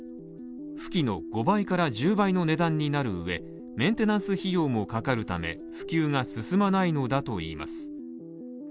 浮器の５倍から１０倍の値段になるうえメンテナンス費用もかかるため普及が進まないのだといいます。